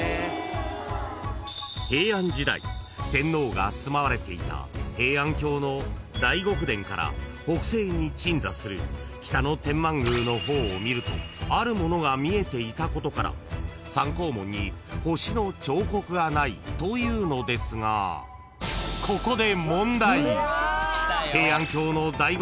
［平安時代天皇が住まわれていた平安京の大極殿から北西に鎮座する北野天満宮の方を見るとあるものが見えていたことから三光門に星の彫刻がないというのですがここで］